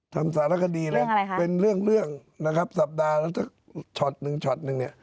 ทำสารคดีนะเป็นเรื่องนะครับสัปดาห์แล้วจะช็อตหนึ่งนี่